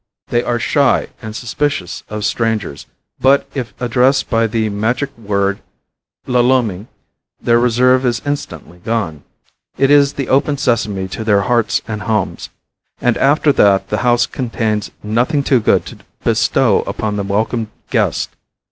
They are shy and suspicious of strangers, but if addressed by the magic word lolomi, their reserve is instantly gone. It is the open sesame to their hearts and homes, and after that the house contains nothing too good to bestow upon the welcome guest.